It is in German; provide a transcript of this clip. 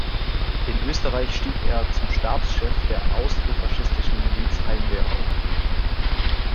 In Österreich stieg er zum Stabschef der austrofaschistischen Miliz Heimwehr auf.